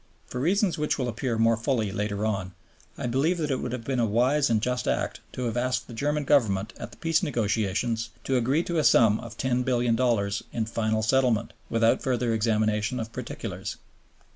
For reasons which will appear more fully later on, I believe that it would have been a wise and just act to have asked the German Government at the Peace Negotiations to agree to a sum of $10,000,000,000 in final settlement, without further examination of particulars.